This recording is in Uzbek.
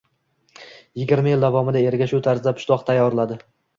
Yigirma yil davomida eriga shu tarzda pishloq tayyorladi.